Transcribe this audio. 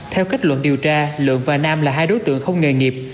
theo kết luận điều tra lượng và nam là hai đối tượng không nghề nghiệp